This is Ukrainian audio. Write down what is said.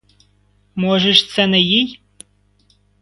Може ж, це не їй?